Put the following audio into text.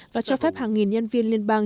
và cho phép hàng nghìn nhân viên